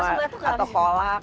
masuk masuk atau kolak